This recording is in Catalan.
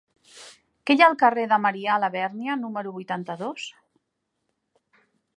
Què hi ha al carrer de Marià Labèrnia número vuitanta-dos?